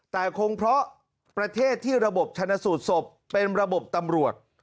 แต่คงเพราะประเทศที่ระบบชนะสูตรศพเป็นระบบตำรวจ